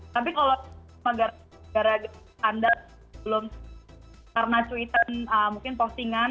tapi kalau negara anda belum karena cuitan mungkin postingan